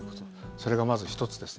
それが、まず１つですね。